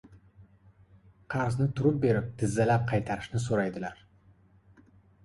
• Qarzni turib berib, tizzalab qaytarishni so‘raydilar.